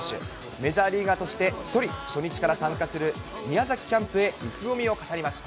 メジャーリーガーとして１人、初日から参加する宮崎キャンプへ意気込みを語りました。